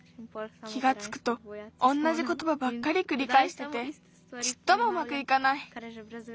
気がつくとおんなじことばばっかりくりかえしててちっともうまくいかない。